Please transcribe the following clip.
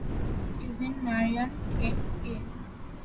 Even Narayan gets killed.